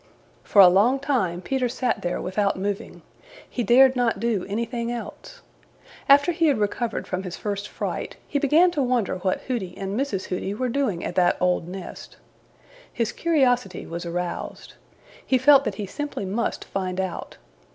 For a long time Peter sat there without moving. He dared not do anything else. After he had recovered from his first fright he began to wonder what Hooty and Mrs. Hooty were doing at that old nest. His curiosity was aroused. He felt that he simply must find out.